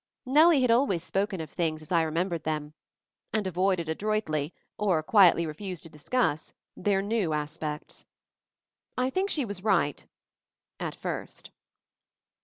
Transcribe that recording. Nellie had always spoken of things as I remembered them, and avoided adroitly, or quietly refused to discuss, their new aspects. I think she was right — at first.